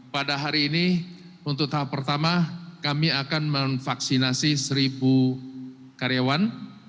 pada hari ini untuk tahap pertama kami akan memvaksinasi seribu karyawan